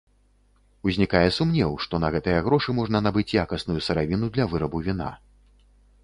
Узнікае сумнеў, што на гэтыя грошы можна набыць якасную сыравіну для вырабу віна.